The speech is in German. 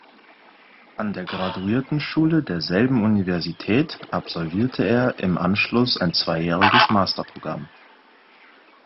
An der Graduiertenschule derselben Universität absolvierte er im Anschluss ein zweijähriges Masterprogramm.